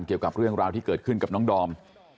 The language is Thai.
เกี่ยวกับเรื่องราวที่เกิดขึ้นกับน้องดอม